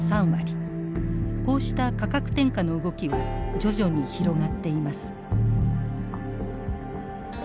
こうした価格転嫁の動きは徐々に広がっています。